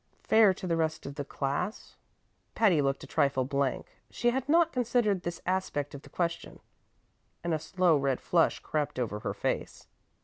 "Fair to the rest of the class?" Patty looked a trifle blank; she had not considered this aspect of the question, and a slow red flush crept over her face.